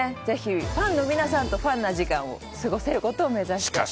ぜひ、ファンの皆さんとファンな時間を過ごせることを目指して。